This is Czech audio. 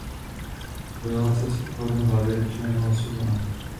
Spokojila se s odkladem závěrečného hlasování.